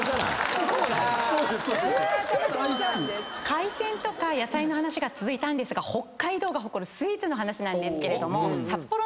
海鮮とか野菜の話が続いたんですが北海道が誇るスイーツの話なんですけれども。